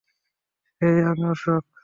হেই, আমি অশোক।